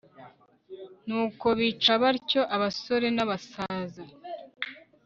nuko bica batyo abasore n'abasaza